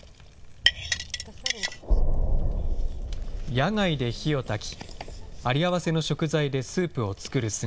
野外で火をたき、ありあわせの食材でスープを作る姿。